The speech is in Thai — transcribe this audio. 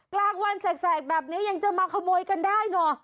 กลางวันแสกแบบนี้ยังจะมาขโมยกันได้เนอะ